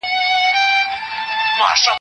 لږ به خورم هوسا به اوسم.